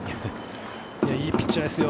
いいピッチャーですよ。